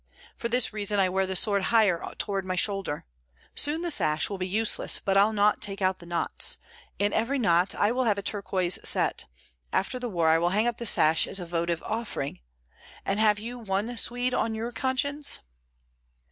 For this reason I wear the sword higher toward my shoulder. Soon the sash will be useless; but I'll not take out the knots, in every knot I will have a turquoise set; after the war I will hang up the sash as a votive offering. And have you one Swede on your conscience?"